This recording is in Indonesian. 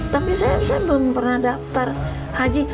tapi saya belum pernah daftar haji